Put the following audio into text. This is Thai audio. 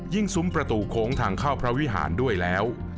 ซุ้มประตูโค้งทางเข้าพระวิหารด้วยแล้ว